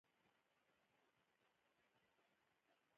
هغې وویل چې ډاکټر حشمتي ته اندېښنه پیدا کړه